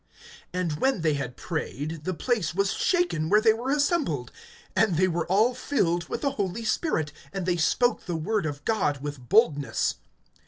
(31)And when they had prayed, the place was shaken where they were assembled; and they were all filled with the Holy Spirit, and they spoke the word of God with boldness.